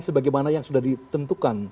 sebagaimana yang sudah ditentukan